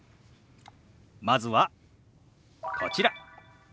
まずはこちら。